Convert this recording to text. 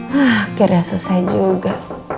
hah akhirnya selesai juga